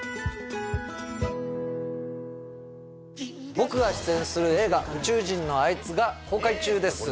僕が出演する映画「宇宙人のあいつ」が公開中です